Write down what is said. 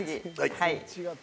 はい。